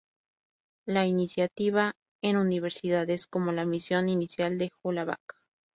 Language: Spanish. La "Iniciativa en universidades", como la misión inicial de Hollaback!